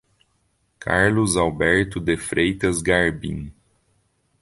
Carlos Alberto de Freitas Garbim